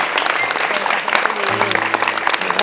สวัสดีค่ะ